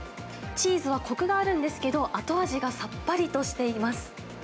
チーズはこくがあるんですけど、後味はさっぱりとしています。